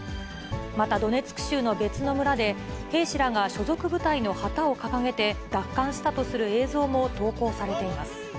またドネツク州の別の村で、兵士らが所属部隊の旗を掲げて、奪還したとする映像も投稿されています。